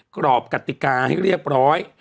กรอบกติกาให้เรียบร้อย